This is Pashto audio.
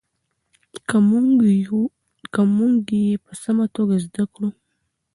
که موږ یې په سمه توګه زده کړو.